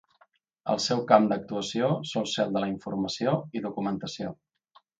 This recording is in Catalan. El seu camp d'actuació sol ser el de la Informació i Documentació.